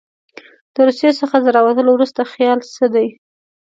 له روسیې څخه تر راوتلو وروسته خیال څه دی.